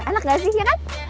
enak gak sih ya kan